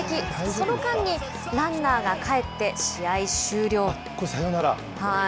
その間にランナーがかえって、サヨナラ。